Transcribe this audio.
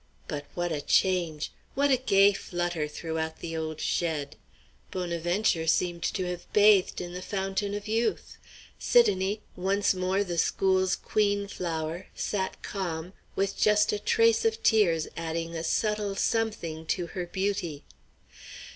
But what a change! What a gay flutter throughout the old shed! Bonaventure seemed to have bathed in the fountain of youth. Sidonie, once more the school's queen flower, sat calm, with just a trace of tears adding a subtle something to her beauty.